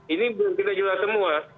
ini belum kita jelas semua